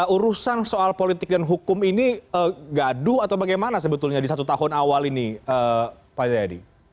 urusan soal politik dan hukum ini gaduh atau bagaimana sebetulnya di satu tahun awal ini pak jayadi